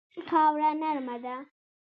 خاوره نرمه ده.